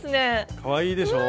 かわいいでしょう？